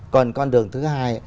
còn con đường thứ hai